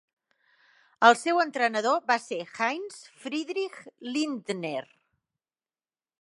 El seu entrenador va ser Heinz-Friedrich Lindner.